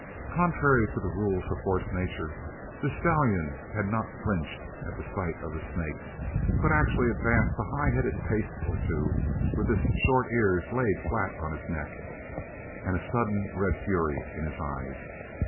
Contrary to the rules of horse nature, the stallion had not flinched at sight of the snake, but actually advanced a high headed pace or two with his short ears laid flat on his neck, and a sudden red fury in his eyes.